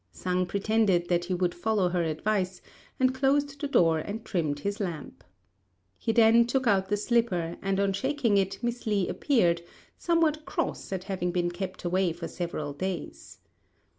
Sang pretended that he would follow her advice, and closed the door and trimmed his lamp. He then took out the slipper, and on shaking it Miss Li appeared, somewhat cross at having been kept away for several days.